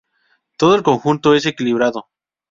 Todo el conjunto es equilibrado.